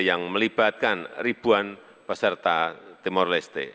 yang melibatkan ribuan peserta timor leste